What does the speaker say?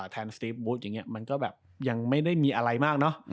แทนสตีฟมันก็แบบยังไม่ได้มีอะไรมากเนาะ